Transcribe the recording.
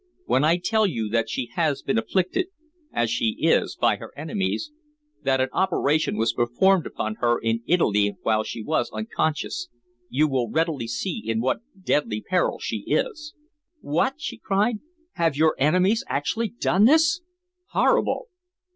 When I tell you that she has been afflicted as she is by her enemies that an operation was performed upon her in Italy while she was unconscious you will readily see in what deadly peril she is." "What!" she cried. "Have her enemies actually done this? Horrible!"